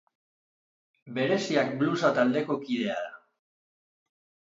Bereziak blusa taldeko kidea da.